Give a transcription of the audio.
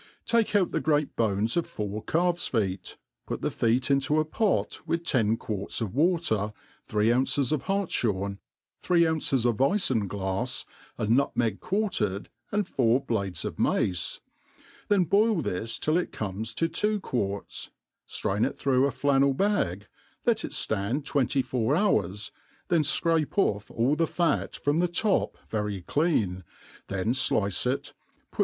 TAKE out the great bones of four calves feet, put the feet into a pot with ten quarts of water, three ounces or hartfhorc^,. tbree ounces of ifinglafs, a nutmeg quartered, anS four blades of mace ; then boil this till it comes to two quarts, (Irain it through a flannel bag, let it fland twenty*four hours, then fcrape ofFall the fat from the top very clean, then (lice it, put.